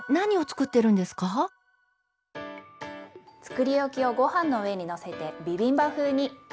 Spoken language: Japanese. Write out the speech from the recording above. つくりおきをごはんの上にのせてビビンバ風に。